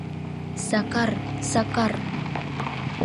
Сакар, Сакар!